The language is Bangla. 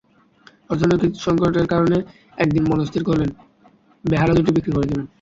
অর্থনৈতিক সংকটের কারণে একদিন মনস্থির করলেন, বেহালা দুটি বিক্রি করে দেবেন।